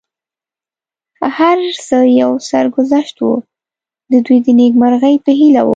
هر څه یو سرګذشت و، د دوی د نېکمرغۍ په هیله ووم.